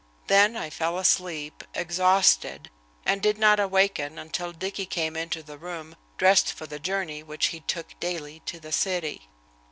Then I fell asleep, exhausted, and did not awaken until Dicky came into the room, dressed for the journey which he took daily to the city.